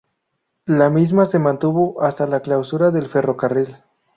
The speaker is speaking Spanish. La misma se mantuvo hasta la clausura del ferrocarril.